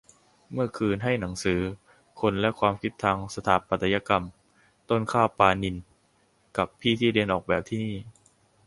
เมื่อคืนให้หนังสือ "คนและความคิดทางสถาปัตยกรรม" ต้นข้าว ปาณินท์ กับพี่ที่เรียนออกแบบที่นี่